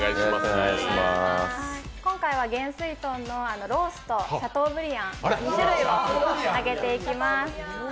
今回は幻水豚のローストシャトーブリアンの２種類を揚げていきます。